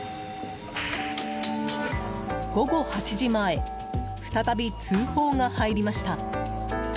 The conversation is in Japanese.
午後８時前再び通報が入りました。